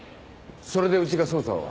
それでうちが捜査を？